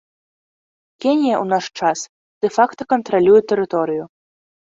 Кенія ў наш час дэ-факта кантралюе тэрыторыю.